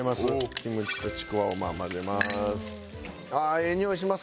キムチとちくわを混ぜます。